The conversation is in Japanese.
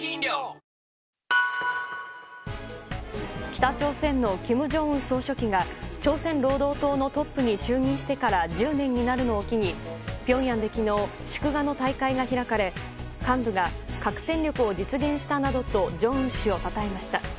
北朝鮮の金正恩総書記が朝鮮労働党のトップに就任してから１０年になるのを機にピョンヤンで昨日祝賀の大会が開かれ幹部が核戦力を実現したなどと正恩氏をたたえました。